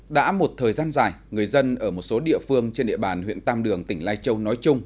đã một thời gian dài người dân ở một số địa phương trên địa bàn huyện tam đường tỉnh lai châu nói chung